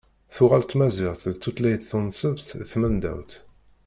Tuɣal tmaziɣt d tutlayt tunṣbt di tmendawt.